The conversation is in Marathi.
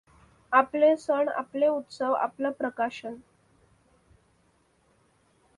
आपले सण आपले उत्सव आपलं प्रकाशन